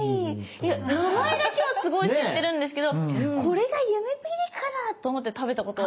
いや名前だけはすごい知ってるんですけどこれがゆめぴりかだ！と思って食べたことは。